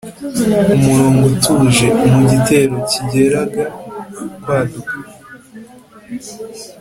mu murongo uje: mu gitero kigeraga kwaduka